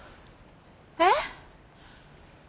えっ？